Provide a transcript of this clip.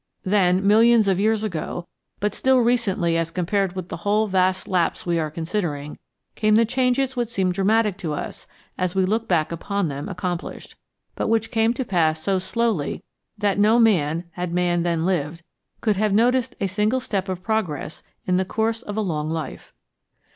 Then, millions of years ago, but still recently as compared with the whole vast lapse we are considering, came the changes which seem dramatic to us as we look back upon them accomplished; but which came to pass so slowly that no man, had man then lived, could have noticed a single step of progress in the course of a long life.